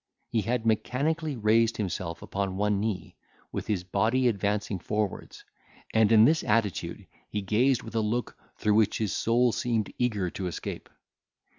He had mechanically raised himself upon one knee, with his body advancing forwards; and in this attitude he gazed with a look through which his soul seemed eager to escape.